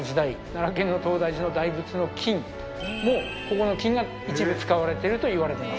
奈良県の東大寺の大仏の金もここの金が一部使われてるといわれています。